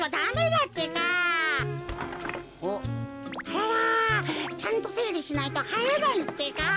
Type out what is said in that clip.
あららちゃんとせいりしないとはいらないってか。